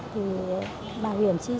thì bảo hiểm chi tiết